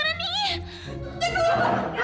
gantung di aku